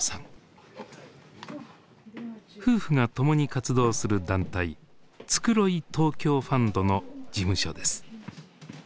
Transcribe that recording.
夫婦が共に活動する団体「つくろい東京ファンド」の事務所です。